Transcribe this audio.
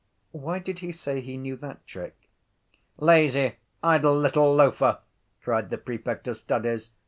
Why did he say he knew that trick? —Lazy idle little loafer! cried the prefect of studies.